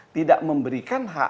tidak memberikan hak